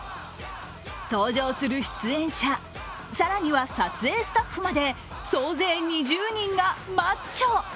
登場する出演者、更には撮影スタッフまで総勢２０人がマッチョ！